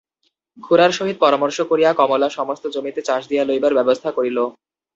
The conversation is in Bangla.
খুড়ার সহিত পরামর্শ করিয়া কমলা সমস্ত জমিতে চাষ দিয়া লইবার ব্যবস্থা করিল।